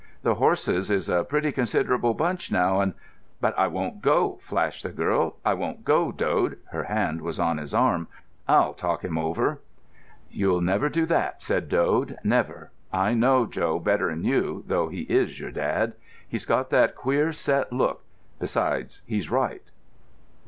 The horses is a pretty considerable bunch now, and——" "But I won't go," flashed the girl; "I won't go, Dode." Her hand was on his arm. "I'll talk him over." "You'll never do that," said Dode. "Never. I know Joe better'n you, though he is your dad. He's got that queer set look;—besides, he's right."